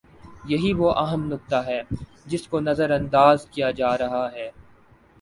یہی وہ اہم نکتہ ہے جس کو نظر انداز کیا جا رہا ہے۔